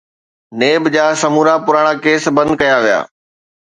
NAB جا سمورا پراڻا ڪيس بند ڪيا ويا.